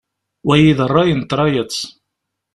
Wagi d ṛṛay n tṛayet.